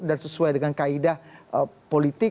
dan sesuai dengan kaedah politik